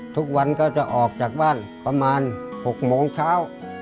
ทุกวันก็จะออกจากบ้านประมาณ๖โมงเช้า